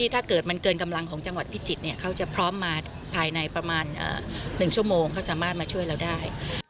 ถ้าเกิดมันเกินกำลังของจังหวัดพิจิตรเขาจะพร้อมมาภายในประมาณ๑ชั่วโมงเขาสามารถมาช่วยเราได้